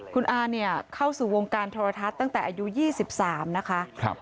คุณอาเนี่ยเข้าสู่วงการโทรทัศน์ตั้งแต่อายุ๒๓นะคะ